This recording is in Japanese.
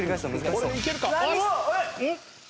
これでいけるか？